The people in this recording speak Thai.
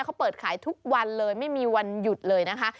เขาเปิดขายทุกวันเลยไม่มีวันหยุดเลยนะคะ